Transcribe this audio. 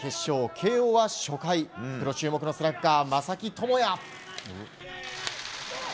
慶應は初回プロ注目のスラッガー、正木智也。